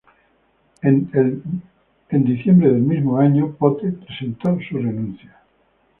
El diciembre del mismo año, Pote presentó su renuncia.